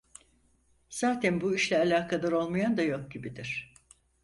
Zaten bu işle alakadar olmayan da yok gibidir.